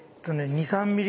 ２３ｍｍ！？